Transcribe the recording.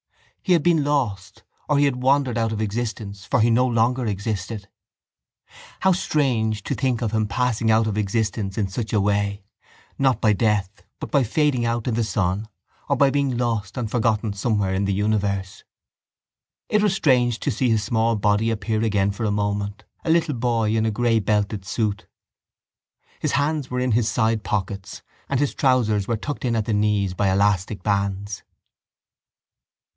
He had been lost or had wandered out of existence for he no longer existed. How strange to think of him passing out of existence in such a way, not by death but by fading out in the sun or by being lost and forgotten somewhere in the universe! It was strange to see his small body appear again for a moment: a little boy in a grey belted suit. His hands were in his sidepockets and his trousers were tucked in at the knees by elastic bands.